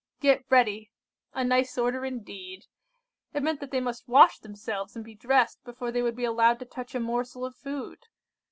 "Get ready! a nice order indeed! It meant that they must wash themselves and be dressed before they would be allowed to touch a morsel of food.